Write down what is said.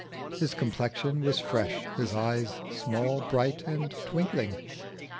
His complexion was fresh, his eyes small, bright, and twinkling.